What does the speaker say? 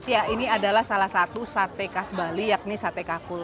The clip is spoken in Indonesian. ya ini adalah salah satu sate khas bali yakni sate kakul